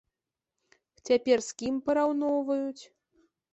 Цяпер з кім параўноўваюць?